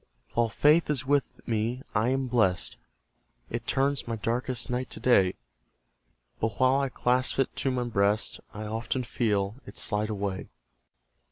While Faith is with me, I am blest; It turns my darkest night to day; But while I clasp it to my breast, I often feel it slide away.